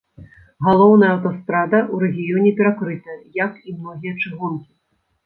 Галоўная аўтастрада ў рэгіёне перакрытая, як і многія чыгункі.